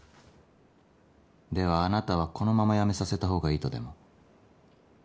ではあなたはこのまま辞めさせたほうがいいとでも？